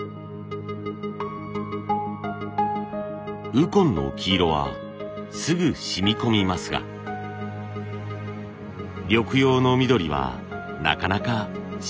ウコンの黄色はすぐしみこみますが緑葉の緑はなかなかしみ通りません。